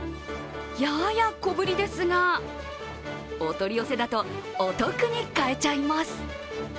やや小ぶりですが、お取り寄せだとお得に買えちゃいます。